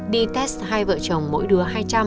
đi test hai vợ chồng mỗi đứa hai trăm linh